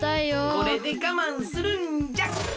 これでがまんするんじゃ！